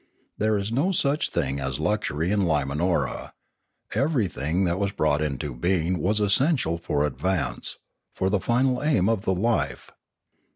There was no such thing as luxury in Limanora; everything that was brought into being was essential for advance, for the final aim of the life.